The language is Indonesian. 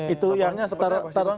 itu yang teringkat